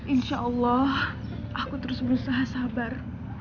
insya allah aku terus berusaha sabar